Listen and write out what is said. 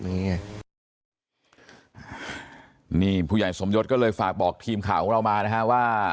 นี่ไงนี่ผู้ใหญ่สมยศก็เลยฝากบอกทีมข่าวของเรามานะฮะว่า